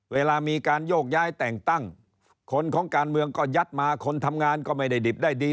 เวลามีการโยกย้ายแต่งตั้งคนของการเมืองก็ยัดมาคนทำงานก็ไม่ได้ดิบได้ดี